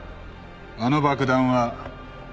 あの爆弾は。